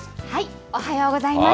おはようございます。